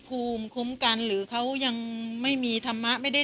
กินโทษส่องแล้วอย่างนี้ก็ได้